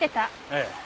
ええ。